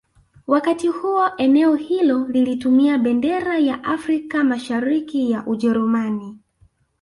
Wakati huo eneo hilo lilitumia bendera ya Afrika Mashariki ya Ujerumani